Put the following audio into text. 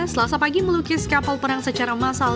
selasa pagi melukis kapal perang secara massal